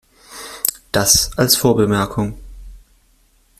Das als Vorbemerkung.